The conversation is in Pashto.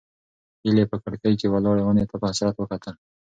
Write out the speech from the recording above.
هیلې په کړکۍ کې ولاړې ونې ته په حسرت وکتل.